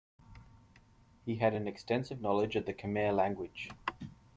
He had an extensive knowledge of the Khmer language.